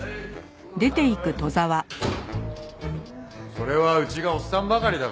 それはうちがおっさんばかりだからですよね。